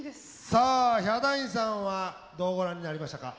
さあヒャダインさんはどうご覧になりましたか？